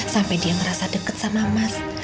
sampai dia merasa dekat sama mas